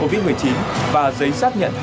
vâng vì lý do